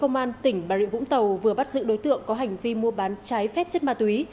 bà rịa vũng tàu vừa bắt giữ đối tượng có hành vi mua bán trái phép chất ma túy